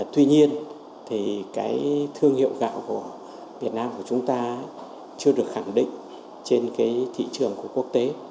tuy nhiên thì cái thương hiệu gạo của việt nam của chúng ta chưa được khẳng định trên cái thị trường của quốc tế